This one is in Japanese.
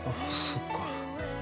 そっか。